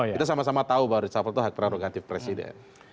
kita sama sama tahu bahwa reshuffle itu hak prerogatif presiden